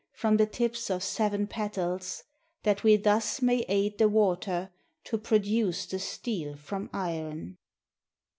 From the tips of seven petals, That we thus may aid the water To produce the steel from iron."